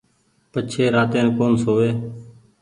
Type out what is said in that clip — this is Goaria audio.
پڇي راتين ڪون سووي